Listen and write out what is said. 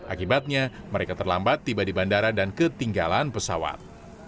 akibatnya mereka terlambat tiba di bandara dan ketinggalan pesawat